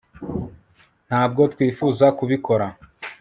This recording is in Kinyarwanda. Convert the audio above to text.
ntabwo twifuza kubikora